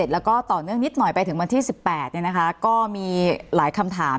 แล้วก็ต่อเนื่องนิดหน่อยไปถึงวันที่๑๘ก็มีหลายคำถาม